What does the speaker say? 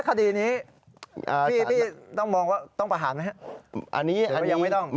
คดีนี้พี่ต้องมองว่าต้องประหารไหมครับ